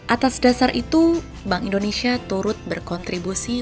atas dasar itu bank indonesia turut berkontribusi